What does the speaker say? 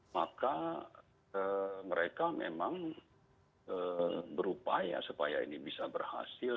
maka mereka memang berupaya supaya ini bisa berhasil